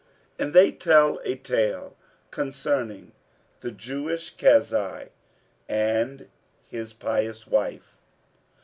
And they tell a tale concerning THE JEWISH KAZI AND HIS PIOUS WIFE.